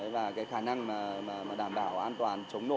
và cái khả năng đảm bảo an toàn chống nổ